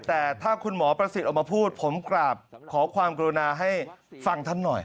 แต่ถ้าคุณหมอประสิทธิ์ออกมาพูดผมกราบขอความกรุณาให้ฟังท่านหน่อย